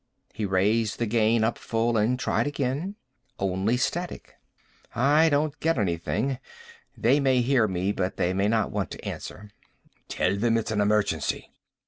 He raised the gain up full and tried again. Only static. "I don't get anything. They may hear me but they may not want to answer." "Tell them it's an emergency."